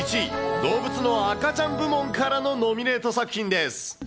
動物の赤ちゃん部門からのノミネート作品です。